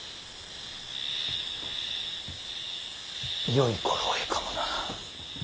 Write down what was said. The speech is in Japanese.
よい頃合いかもな。